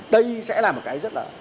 đây sẽ là một cái rất là